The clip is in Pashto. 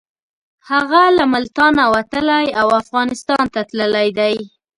هغه له ملتانه وتلی او افغانستان ته تللی.